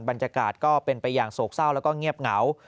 บรรยากาศก็เป็นไปอย่างโศกเศร้าแล้วก็เงียบเหงา